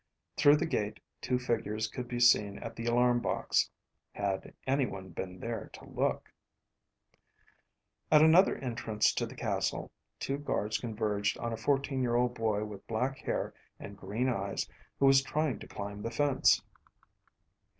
Through the gate two figures could be seen at the alarm box ... had anyone been there to look. At another entrance to the castle, two guards converged on a fourteen year old boy with black hair and green eyes who was trying to climb the fence.